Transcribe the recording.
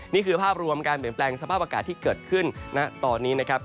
นี่คือภาพรวมการเปลี่ยนแปลงสภาพอากาศที่เกิดขึ้นณตอนนี้นะครับ